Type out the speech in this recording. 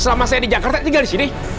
selama saya di jakarta dia gak disini